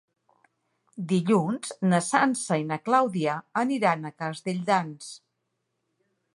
Dilluns na Sança i na Clàudia aniran a Castelldans.